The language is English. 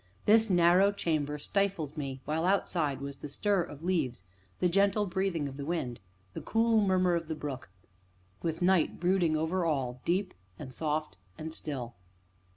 This narrow chamber stifled me, while outside was the stir of leaves, the gentle breathing of the wind, the cool murmur of the brook, with night brooding over all, deep and soft and still.